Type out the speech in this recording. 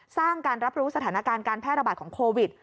สร้างการรับรู้สถานการณ์การแพร่ระบาดของโควิด